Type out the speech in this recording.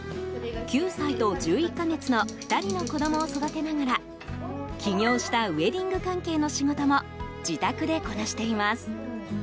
９歳と１１か月の２人の子供を育てながら起業したウェディング関係の仕事も自宅でこなしています。